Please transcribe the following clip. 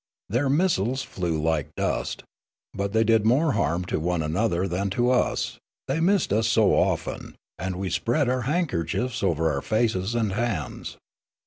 Their missiles flew like dust. But they did more harm to one another than tons, they missed us so often,' and we spread our handkerchiefs over our faces and hands.